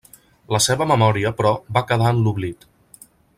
La seva memòria, però, va quedar en l'oblit.